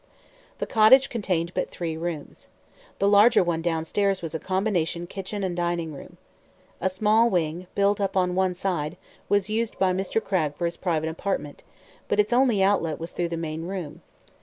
The cottage contained but three rooms. The larger one downstairs was a combination kitchen and dining room. A small wing, built upon one side, was used by Mr. Cragg for his private apartment, but its only outlet was through the main room.